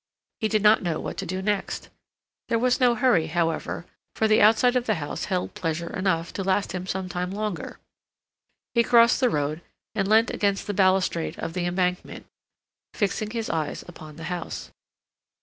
He did not know what to do next. There was no hurry, however, for the outside of the house held pleasure enough to last him some time longer. He crossed the road, and leant against the balustrade of the Embankment, fixing his eyes upon the house.